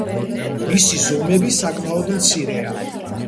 მისი ზომები საკმაოდ მცირეა.